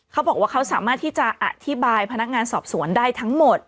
เขาบอกว่าเขาสามารถที่จะอธิบายพนักงานสอบสวนได้ทั้งหมด